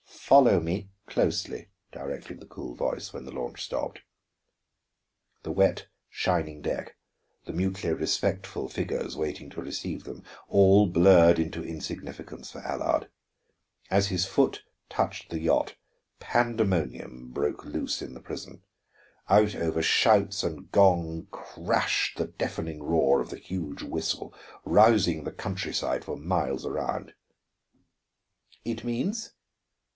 "Follow me closely," directed the cool voice, when the launch stopped. The wet, shining deck, the mutely respectful figures waiting to receive them, all blurred into insignificance for Allard. As his foot touched the yacht, pandemonium broke loose in the prison. Out over shouts and gong crashed the deafening roar of the huge whistle, rousing the country side for miles around. "It means?"